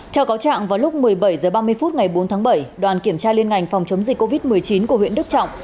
theo cáo trạng vào lúc một mươi bảy h ba mươi phút ngày bốn tháng bảy đoàn kiểm tra liên ngành phòng chống dịch covid một mươi chín của huyện đức trọng